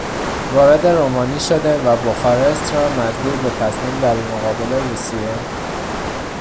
وارد رومانی شده و بخارست را مجبور به تسلیم در مقابل روسیه